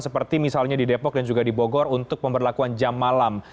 seperti misalnya di depok dan juga di bogor untuk pemberlakuan jam malam